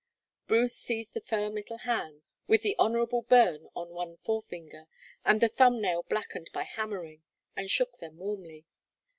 Bruce seized the firm little hands, with the honorable burn on one forefinger, and the thumb nail blackened by hammering, and shook them warmly.